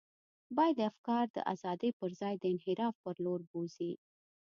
باید افکار د ازادۍ پر ځای د انحراف پر لور بوزي.